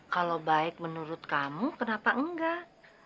kalau baik menurut kamu kenapa enggak